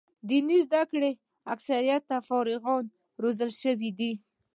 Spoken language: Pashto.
دیني زده کړو اکثره فارغان روزل شوي دي.